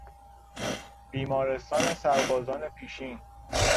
بیمارستان سربازان پیشین